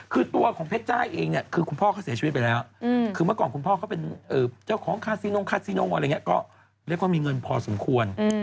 คือตัวของพระเจ้าเองคือคุณพ่อเขาเสียชีวิตไปแล้ว